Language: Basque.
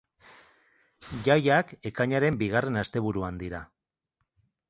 Jaiak ekainaren bigarren asteburuan dira.